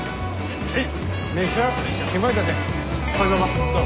はい。